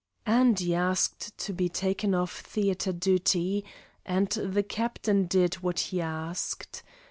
Andy asked to be taken off theatre duty, and the captain did what he asked.